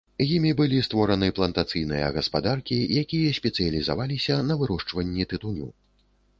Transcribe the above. Імі былі створаны плантацыйныя гаспадаркі, якія спецыялізаваліся на вырошчванні тытуню.